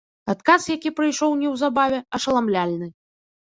Адказ, які прыйшоў неўзабаве, ашаламляльны.